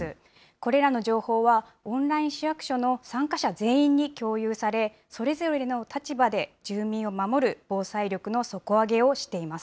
これらの情報は、オンライン市役所の参加者全員に共有され、それぞれの立場で住民を守る防災力の底上げをしています。